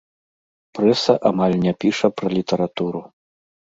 Прэса амаль не піша пра літаратуру.